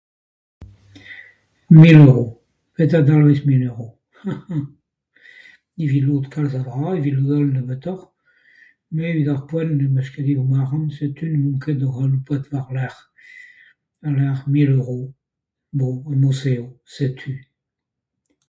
Mil euro. Petra dalvez mil euro ? C'he C'he evit lod kalz a dra evit lod all nebeutoc'h. Me evit ar poent n'em eus ket ezhomm arc'hant setu n'on ket o c'haloupat war-lerc'h, war-lerc'h mil euro. Bon, mod-se eo. Setu.